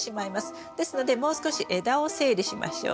ですのでもう少し枝を整理しましょう。